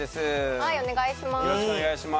はいお願いします。